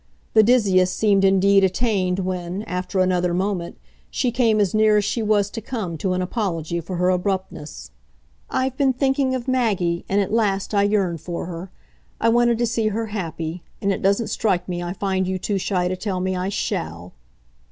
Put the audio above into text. The dizziest seemed indeed attained when, after another moment, she came as near as she was to come to an apology for her abruptness. "I've been thinking of Maggie, and at last I yearned for her. I wanted to see her happy and it doesn't strike me I find you too shy to tell me I SHALL."